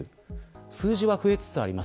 数字は増えつつあります。